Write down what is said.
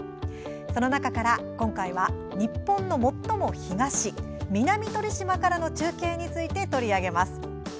その中から今回は日本の最も東、南鳥島からの中継について取り上げます。